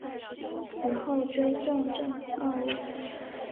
死后追赠正二位。